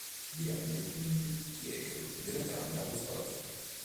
Divenne quindi chierico della Camera Apostolica.